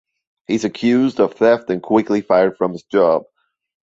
He's accused of theft and quickly fired from his job.